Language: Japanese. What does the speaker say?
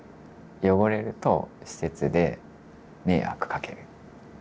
汚れると施設で迷惑かける。